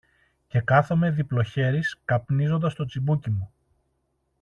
Και κάθομαι διπλοχέρης, καπνίζοντας το τσιμπούκι μου